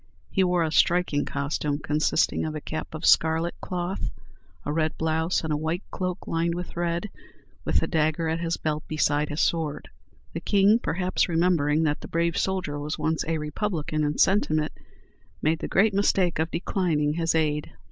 He wore a striking costume, consisting of a cap of scarlet cloth, a red blouse, and a white cloak lined with red, with a dagger at his belt, besides his sword. The King, perhaps remembering that the brave soldier was once a Republican in sentiment, made the great mistake of declining his aid.